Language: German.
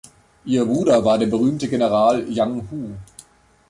Ihr Bruder war der berühmte General Yang Hu.